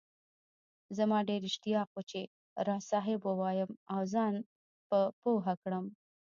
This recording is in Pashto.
زما ډېر اشتياق وو چي راز صاحب ووايم او زان په پوهه کړم